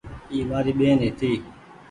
اي همآري ٻين هيتي ۔